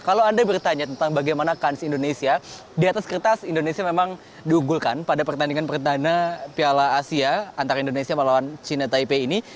kalau anda bertanya tentang bagaimana kans indonesia di atas kertas indonesia memang diunggulkan pada pertandingan pertana piala asia antara indonesia melawan china taipei ini